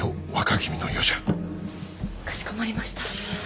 かしこまりました。